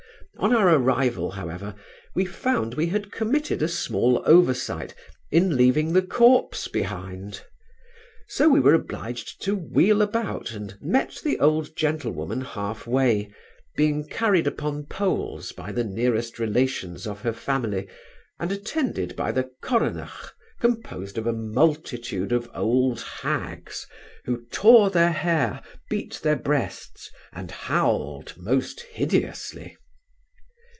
On our arrival, however, we found we had committed a small oversight, in leaving the corpse behind; so we were obliged to wheel about, and met the old gentlewoman half way, being carried upon poles by the nearest relations of her family, and attended by the coronach, composed of a multitude of old hags, who tore their hair, beat their breasts, and howled most hideously.